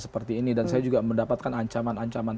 seperti ini dan saya juga mendapatkan ancaman ancaman